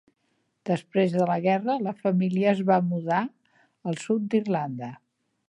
Després de la guerra, la família es va mudar al sud d'Irlanda.